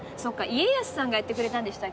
家康さんがやってくれたんでしたっけ？